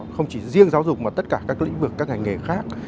không chỉ riêng giáo dục mà tất cả các lĩnh vực các ngành nghề khác